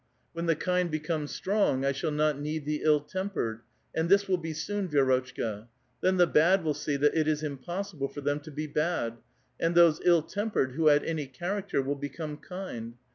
When the kind become sti'ong, I shall not need the ill tempered ; and this will be soon, Vi^rotchka. Then the bad will see that it is impossible for them to be bad ; and those ill tempered who had any character will become kind.